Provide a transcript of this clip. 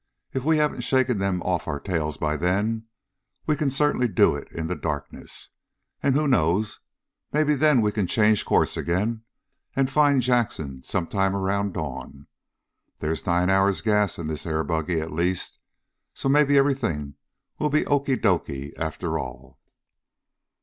If we haven't shaken them off our tails by then, we can certainly do it in the darkness. And who knows, maybe then we can change course again and find Jackson sometime around dawn. There's nine hours gas in this air buggy, at least. So maybe everything will be okey doke after all."